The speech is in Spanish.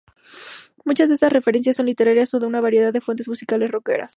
Muchas de estas referencias son literarias o de una variedad de fuentes musicales rockeras.